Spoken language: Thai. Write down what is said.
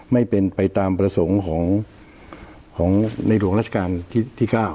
ไม่เป็นไปตามประสงค์ของในหลวงราชการที่๙